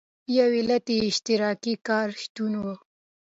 یو علت یې د اشتراکي کار شتون و.